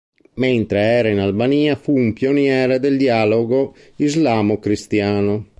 Mentre era in Albania fu un pioniere del dialogo islamo-cristiano.